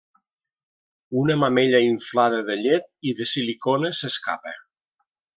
Una mamella inflada de llet i de silicona s'escapa.